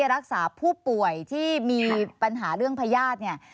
รักษาผู้ป่วยที่มีปัญหาเรื่องพยาธิ